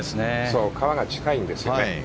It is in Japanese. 川が近いんですね。